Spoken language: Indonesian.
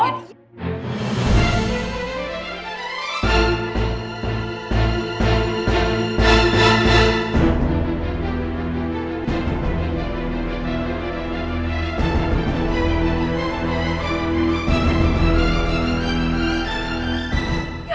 jangan sakit tepasi udah